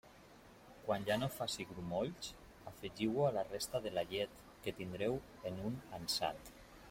Quan ja no faci grumolls, afegiu-ho a la resta de la llet que tindreu en un ansat.